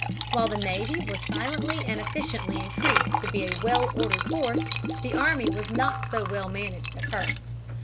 While the navy was silently and efficiently increased to be a well ordered force, the army was not so well managed at first.